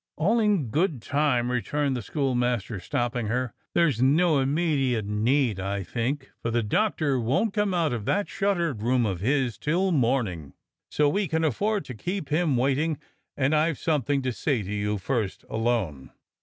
"x\ll in good time," returned the schoolmaster, stopping her. "There's no immediate hurry, I think, for the Doctor won't come out of that shuttered room of his till morning, so we can afford to keep him waiting, and I've something to say to you first — alone."